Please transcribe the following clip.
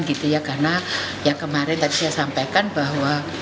karena yang kemarin saya sampaikan bahwa